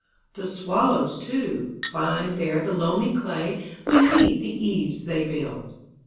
The swallows, too, find there the loamy clayWhen 'neath the eaves they build.